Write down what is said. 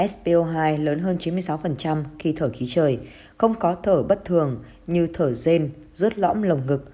so hai lớn hơn chín mươi sáu khi thởi khí trời không có thở bất thường như thở rên rớt lõm lồng ngực